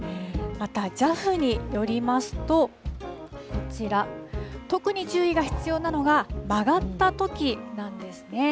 また、ＪＡＦによりますと、こちら、特に注意が必要なのが、曲がったときなんですね。